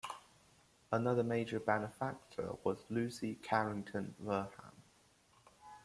Another major benefactor was Lucy Carrington Wertheim.